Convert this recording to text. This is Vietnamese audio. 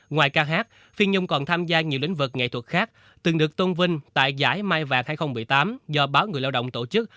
ngoài ca hát phi nhung còn tham gia nhiều lĩnh vực nghệ thuật khác từng được tôn vinh tại giải mai vàng hai nghìn một mươi tám do báo người lao động tổ chức